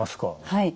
はい。